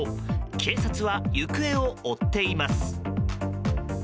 警察は行方を追っています。